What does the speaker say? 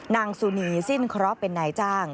นางสุนีสิ้นเคราะห์เป็นนายจ้าง